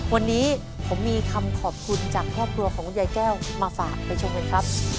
วันนี้ผมมีคำขอบคุณจากครอบครัวของคุณยายแก้วมาฝากไปชมกันครับ